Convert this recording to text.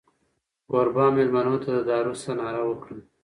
کوربه مېلمنو ته د دارو شه ناره وکړه.